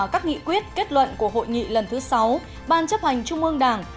các nghị quyết kết luận của hội nghị lần thứ sáu ban chấp hành trung ương đảng